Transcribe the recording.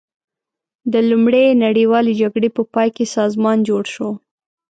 د لومړۍ نړیوالې جګړې په پای کې سازمان جوړ شو.